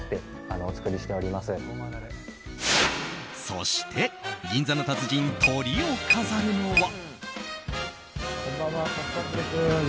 そして、銀座の達人トリを飾るのは。